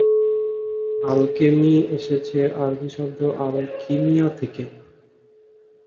Alchemy এসেছে আরবী শব্দ আল-কিমিয়া থেকে।